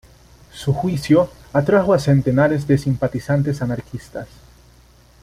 Su juicio atrajo a centenares de simpatizantes anarquistas.